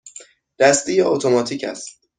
دستی یا اتوماتیک است؟